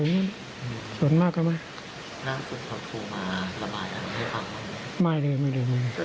ไม่เลยไม่เลยไม่เลย